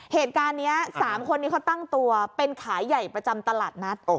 เหตุการณ์นี้๓คนนี้เขาตั้งตัวเป็นขายใหญ่ประจำตลาดนัด